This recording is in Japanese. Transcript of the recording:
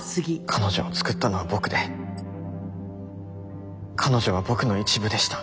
彼女を作ったのは僕で彼女は僕の一部でした。